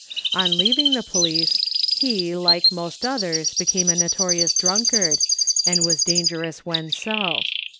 On leaving the police, he, like most others, became a notorious drunkard, and was dangerous when so.